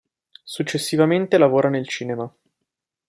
Successivamente lavora nel cinema.